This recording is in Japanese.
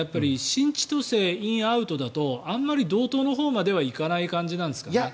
新千歳イン、アウトだとあまり道東のほうまでは行かない感じなんですかね。